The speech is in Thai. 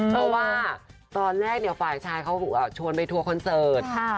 เพราะว่าตอนแรกฝ่ายชายเขาชวนไปทัวร์คอนเสิร์ต